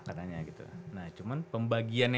katanya gitu nah cuman pembagiannya